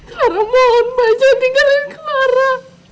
kelara mohon mba jangan tinggalin kelara